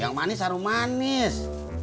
yang manis harus manis